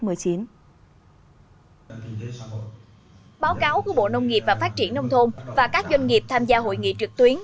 báo cáo của bộ nông nghiệp và phát triển nông thôn và các doanh nghiệp tham gia hội nghị trực tuyến